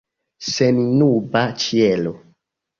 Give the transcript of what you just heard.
Sennuba ĉielo.